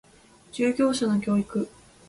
従業者の教育